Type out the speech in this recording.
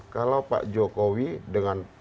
kalau pak jokowi dengan